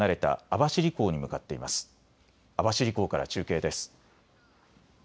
網走港から中継です。